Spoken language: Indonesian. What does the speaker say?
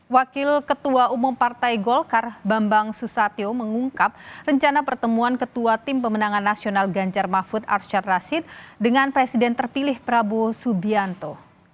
wakil ketua umum partai golkar bambang susatyo mengungkap rencana pertemuan ketua tim pemenangan nasional ganjar mahfud arsyad rashid dengan presiden terpilih prabowo subianto